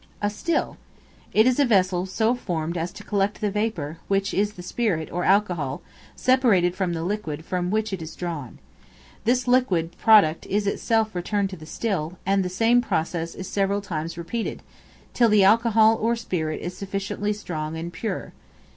A Still. It is a vessel so formed as to collect the vapor, which is the spirit, or alcohol, separated from the liquid from which it is drawn. This liquid product is itself returned to the still; and the same process is several times repeated, till the alcohol or spirit is sufficiently strong and pure.